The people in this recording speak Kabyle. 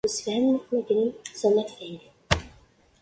Msefhamen ad t-mmagren s anafag.